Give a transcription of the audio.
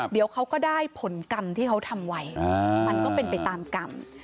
เดี๋ยวเขาก็ได้ผลกรรมที่เขาทำไว้มันก็เป็นไปตามกรรม